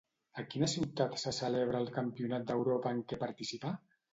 A quina ciutat se celebra el Campionat d'Europa en què participà?